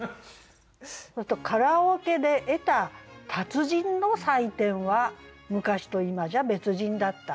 「カラオケで得た達人の採点は『昔と今じゃ別人』だった」。